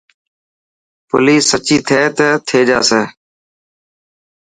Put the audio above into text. پوليس سچي ٿي ته ٿي جاسي.